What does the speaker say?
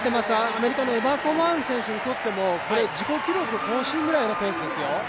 アメリカのエマ・コバーン選手にとってもこれ、自己記録更新ぐらいのペースですよ。